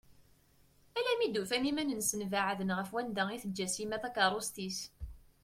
Alammi i d-ufan iman-nsen beɛden ɣef wanda i teǧǧa Sima takerrust-is.